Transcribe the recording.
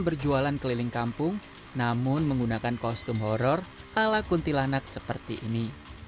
berjualan keliling kampung namun menggunakan kostum horror ala kuntilanak seperti ini